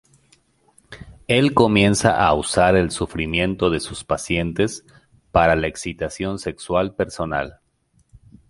Él comienza a usar el sufrimiento de sus pacientes para la excitación sexual personal.